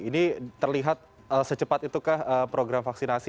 ini terlihat secepat itu kah program vaksinasi